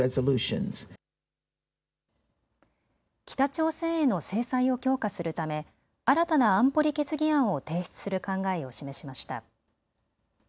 北朝鮮への制裁を強化するため新たな安保理決議案を提出する考えを示しました。